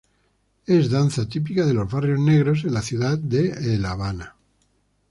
Es danza típica de los barrios negros de la ciudad de La Habana.